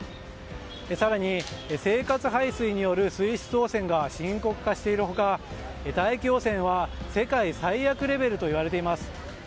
更に生活排水による水質汚染が深刻化している他、大気汚染は世界最悪レベルといわれています。